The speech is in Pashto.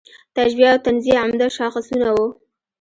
تشبیه او تنزیه عمده شاخصونه وو.